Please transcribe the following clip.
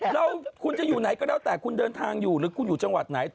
แล้วคุณจะอยู่ไหนก็แล้วแต่คุณเดินทางอยู่หรือคุณอยู่จังหวัดไหน